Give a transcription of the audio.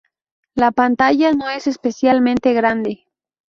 La pantalla no es especialmente grande.